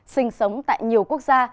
sinh sống tại nhiều quốc gia